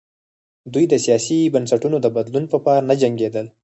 دوی د سیاسي بنسټونو د بدلون په پار نه جنګېدل.